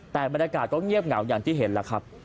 แต่บรรยากาศก็เงียบเหงาอย่างที่เห็นแล้วครับ